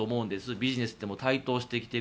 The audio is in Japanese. ビジネスでも台頭してきている。